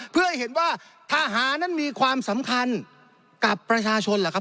เพื่อให้เห็นว่าทหารนั้นมีความสำคัญกับประชาชนเหรอครับ